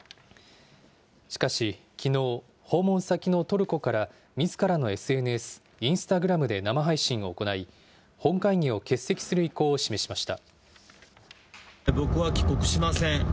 しかしきのう、訪問先のトルコからみずからのＳＮＳ、インスタグラムで生配信を行い、本会議を欠席する意向を示しました。